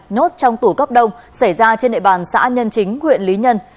nốt trong tủ cấp đông xảy ra trên nệ bàn xã nhân chính huyện lý nhân